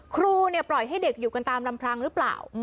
ครูปล่อยให้เด็กอยู่กันตามลำพังหรือเปล่า